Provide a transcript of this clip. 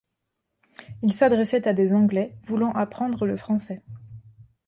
Il s'adressait à des Anglais voulant apprendre le français.